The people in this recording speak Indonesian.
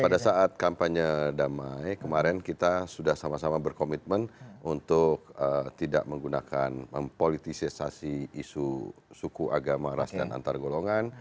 pada saat kampanye damai kemarin kita sudah sama sama berkomitmen untuk tidak menggunakan mempolitisasi isu suku agama ras dan antar golongan